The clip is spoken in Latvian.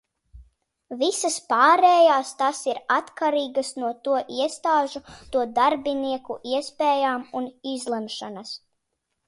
Visās pārējās tas ir atkarīgs no to iestāžu, to darbinieku iespējām un izlemšanas.